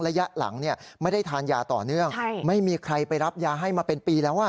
ระยะหลังเนี่ยไม่ได้ทานยาต่อเนื่องไม่มีใครไปรับยาให้มาเป็นปีแล้วอ่ะ